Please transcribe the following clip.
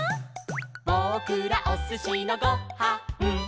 「ぼくらおすしのご・は・ん」